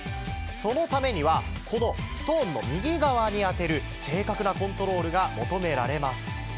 そのためには、このストーンの右側に当てる正確なコントロールが求められます。